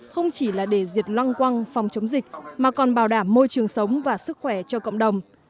không chỉ là để diệt loang quăng phòng chống dịch mà còn bảo đảm môi trường sống và sức khỏe cho cộng đồng